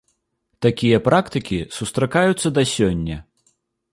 Такія практыкі сустракаюцца да сёння.